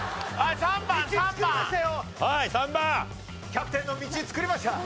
キャプテンの道作りました。